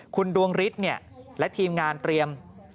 คุณดวงฤทธิ์และทีมงานเตรียม